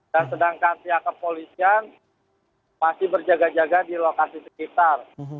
dan sedangkan pihak kepolisian masih berjaga jaga di lokasi sekitar